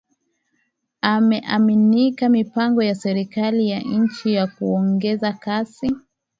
ameanika mipango ya serikali ya nchi ya kuongeza kasi